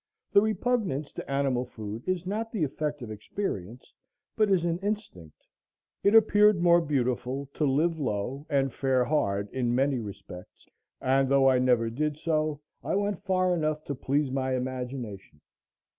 The repugnance to animal food is not the effect of experience, but is an instinct. It appeared more beautiful to live low and fare hard in many respects; and though I never did so, I went far enough to please my imagination.